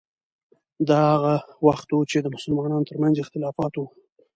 دا هغه وخت و چې د مسلمانانو ترمنځ اختلافات وو.